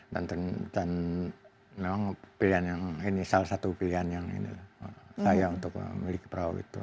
dan memang ini salah satu pilihan yang saya untuk memiliki perahu itu